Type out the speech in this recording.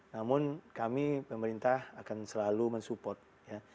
namun kami pemerintah akan selalu mensupport ya